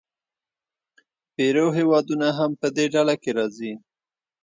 پیرو هېوادونه هم په دې ډله کې راځي.